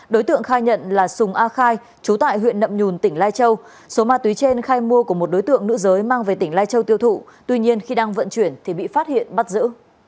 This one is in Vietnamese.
đối tượng khai nhận là sùng a khai trú tại huyện nậm nhùn tỉnh lai châu số ma túy trên khai mua của một đối tượng nữ giới mang về tỉnh lai châu tiêu thụ tuy nhiên khi đang vận chuyển thì bị phát hiện bắt giữ